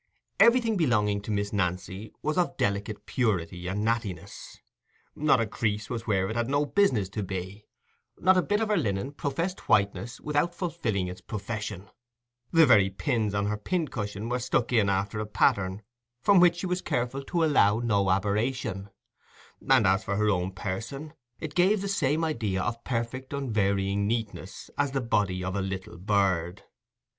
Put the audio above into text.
Everything belonging to Miss Nancy was of delicate purity and nattiness: not a crease was where it had no business to be, not a bit of her linen professed whiteness without fulfilling its profession; the very pins on her pincushion were stuck in after a pattern from which she was careful to allow no aberration; and as for her own person, it gave the same idea of perfect unvarying neatness as the body of a little bird.